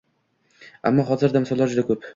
Ammo hozirda misollar juda ko‘p: